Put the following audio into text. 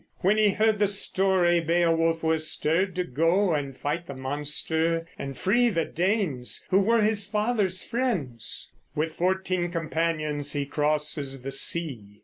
When he heard the story, Beowulf was stirred to go and fight the monster and free the Danes, who were his father's friends. With fourteen companions he crosses the sea.